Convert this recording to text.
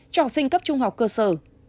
cho học sinh cấp trung học cơ sở